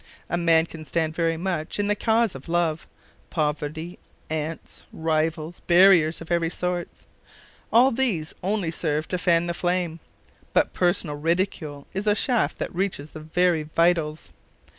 A man can stand very much in the cause of love: poverty, aunts, rivals, barriers of every sort, all these only serve to fan the flame. But personal ridicule is a shaft that reaches the very vitals.